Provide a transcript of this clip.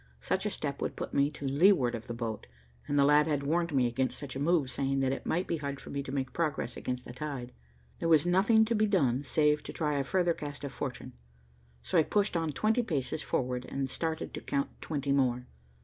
Such a step would put me to leeward of the boat, and the lad had warned me against such a move, saying that it might be hard for me to make progress against the tide. There was nothing to be done save to try a further cast of fortune, so I pushed on twenty paces forward and started to count twenty more.